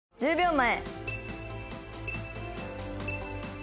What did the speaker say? １０秒前。